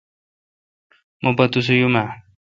مہ پا توسہ یوماؘ۔